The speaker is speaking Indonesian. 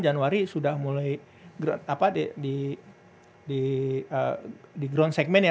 januari sudah mulai di ground segment